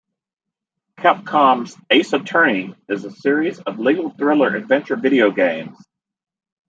Capcom's "Ace Attorney" is a series of legal thriller adventure video games.